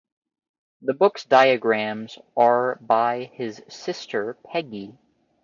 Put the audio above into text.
The book's diagrams are by his sister Peggy.